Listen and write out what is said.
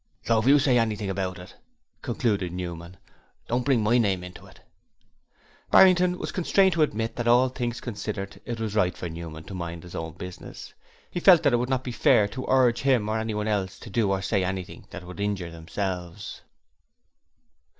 'So if YOU say anything about it,' concluded Newman, 'don't bring my name into it.' Barrington was constrained to admit that all things considered it was right for Newman to mind his own business. He felt that it would not be fair to urge him or anyone else to do or say anything that would injure themselves.